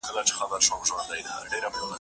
مړینه د ژوند له سترو غمونو څخه خلاصون دی.